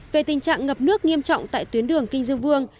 về tình trạng ngập nước nghiêm trọng tại tuyến đường kinh dương vương